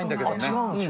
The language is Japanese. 違うんですか。